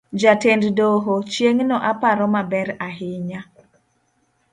Jatend doho, chieng' no aparo maber ahinya.